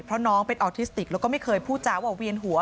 พี่น้องของผู้เสียหายแล้วเสร็จแล้วมีการของผู้เสียหาย